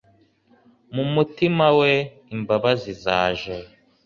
mu mutima we, imbabazi zaje